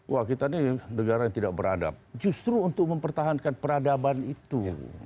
wah kita ini negara yang tidak beradab justru untuk mempertahankan peradaban itu